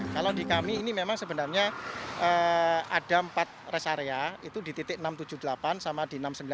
kalau di kami ini memang sebenarnya ada empat rest area itu di titik enam ratus tujuh puluh delapan sama di enam ratus sembilan puluh